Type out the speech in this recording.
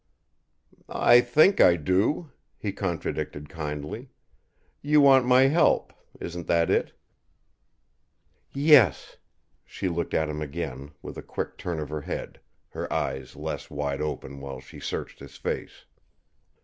"I think I do," he contradicted kindly. "You want my help; isn't that it?" "Yes." She looked at him again, with a quick turn of her head, her eyes less wide open while she searched his face.